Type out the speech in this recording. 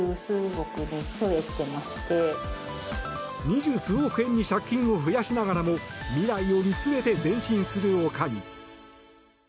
二十数億円に借金を増やしながらも未来を見据えて前進する女将。